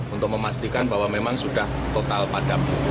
untuk memastikan bahwa memang sudah total padam